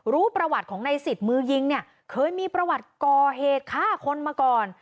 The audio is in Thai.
รู้ประวัติของในสิทธิ์มือยิงเนี่ยเคยมีประวัติก่อเหตุฆ่าคนมาก่อน